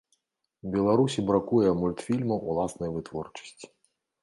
Беларусі бракуе мультфільмаў уласнай вытворчасці.